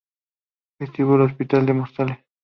Vestíbulo Hospital de Móstoles